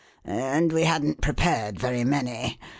And we hadn't prepared very many.